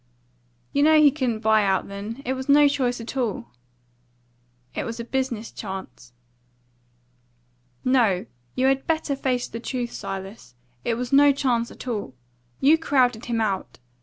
"You know he couldn't buy out then. It was no choice at all." "It was a business chance." "No; you had better face the truth, Silas. It was no chance at all. You crowded him out.